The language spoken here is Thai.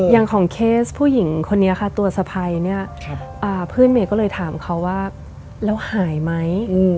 อย่างของเคสผู้หญิงคนนี้ค่ะตัวสะพัยเนี่ยเพื่อนเมย์ก็เลยถามเขาว่าแล้วหายไหม